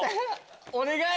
お願い！